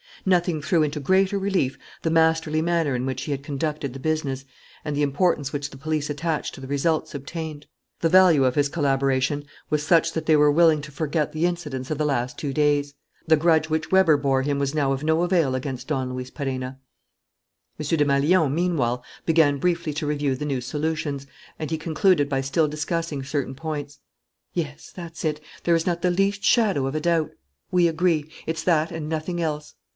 Nothing threw into greater relief the masterly manner in which he had conducted the business and the importance which the police attached to the results obtained. The value of his collaboration was such that they were willing to forget the incidents of the last two days. The grudge which Weber bore him was now of no avail against Don Luis Perenna. M. Desmalions, meanwhile, began briefly to review the new solutions, and he concluded by still discussing certain points. "Yes, that's it ... there is not the least shadow of a doubt.... We agree.... It's that and nothing else.